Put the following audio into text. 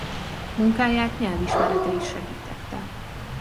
Munkáját nyelvismerete is segítette.